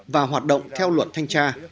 và hoạt động theo luật thanh tra